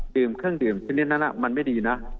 ดื่มเครื่องดื่มชนิดนั้นมันไม่ดีนะ